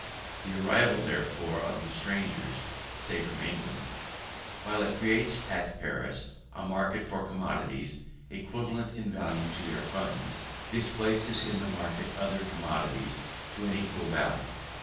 The arrival, therefore, of the strangers (say from England), while it creates at Paris a market for commodities equivalent in value to their funds, displaces in the market other commodities to an equal value.